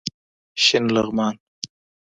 شین لغمان